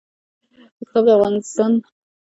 کتاب د انسان د فکرونو د سمون او تصفیې لپاره یوه وسیله ده.